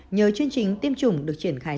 nhờ chương trình tiêm chủng được triển khai